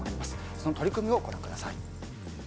その取り組みをご覧ください。